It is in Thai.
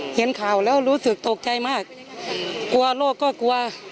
เห็นข่าวแล้วรู้สึกตกใจมากกลัวโรคก็กลัว